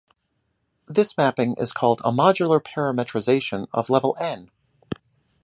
This mapping is called a modular parametrization of level "N".